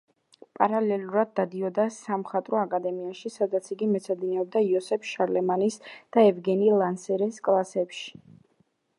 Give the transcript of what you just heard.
პარალელურად დადიოდა სამხატვრო აკადემიაში, სადაც იგი მეცადინეობდა იოსებ შარლემანის და ევგენი ლანსერეს კლასებში.